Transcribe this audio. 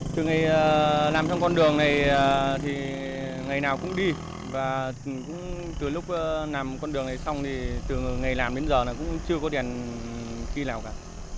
từ lúc nằm con đường này xong thì từ ngày làm đến giờ cũng chưa có đèn ghi nào cả